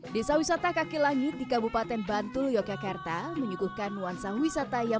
desa wisata kaki langit di kabupaten bantul yogyakarta menyuguhkan nuansa wisata yang